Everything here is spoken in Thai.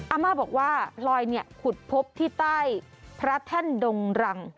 อาม่าบอกว่าพลอยขุดพบที่ใต้พระแท่นดงรัง